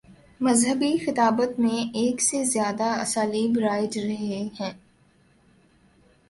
مذہبی خطابت میں ایک سے زیادہ اسالیب رائج رہے ہیں۔